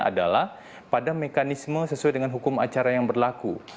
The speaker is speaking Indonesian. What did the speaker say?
adalah pada mekanisme sesuai dengan hukum acara yang berlaku